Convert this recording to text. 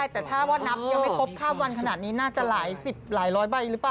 แต่ถ้าว่านับยังไม่ครบข้ามวันขนาดนี้น่าจะหลายสิบหลายร้อยใบหรือเปล่า